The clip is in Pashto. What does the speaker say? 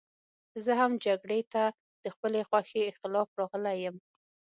زه هم جګړې ته د خپلې خوښې خلاف راغلی یم